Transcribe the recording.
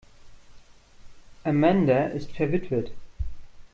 Amanda ist verwitwet.